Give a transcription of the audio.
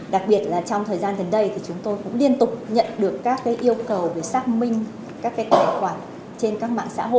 đặc biệt là trong thời gian gần đây thì chúng tôi cũng liên tục nhận được các yêu cầu về xác minh các tài khoản trên các mạng xã hội